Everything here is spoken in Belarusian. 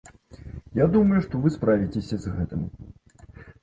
Я думаю, што вы справіцеся з гэтым.